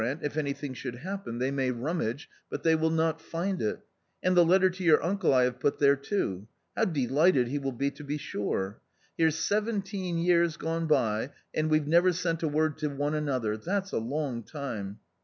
nt T if anything should hap pen, they ™*y 1 11™™^^ v^n« *v>«>y w ill not find It. Anil" the letter tQ.^our uncle I. .have. put the re, too] now" deHghtecTKe "will be toTe sure ! Here's seven teen years gone by and we've never sent a word to one another — that's a long time.